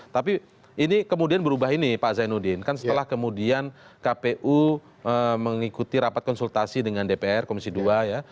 tapi ini kemudian berubah ini pak zainuddin kan setelah kemudian kpu mengikuti rapat konsultasi dengan dpr komisi dua ya